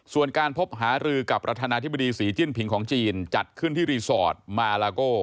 ส่วนการพบหารือกับประธานาธิบดีศรีจิ้นผิงของจีนจัดขึ้นที่รีสอร์ทมาลาโก้